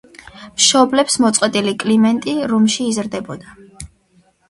მშობლებს მოწყვეტილი კლიმენტი რომში იზრდებოდა.